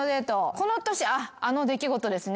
この年あの出来事ですね。